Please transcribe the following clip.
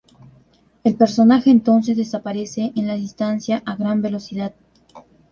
El personaje entonces desaparece en la distancia a gran velocidad.